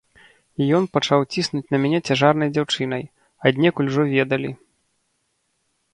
Ён пачаў ціснуць на мяне цяжарнай дзяўчынай, аднекуль ужо ведалі.